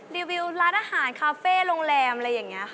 รีวิวร้านอาหารคาเฟ่โรงแรมอะไรอย่างนี้ค่ะ